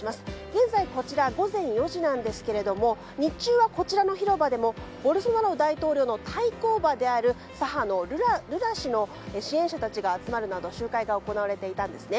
現在こちらは午前４時なんですが日中は、こちらの広場でもボルソナロ大統領の対抗馬である左派のルラ氏の支援者たちが集まるなど集会が行われていたんです。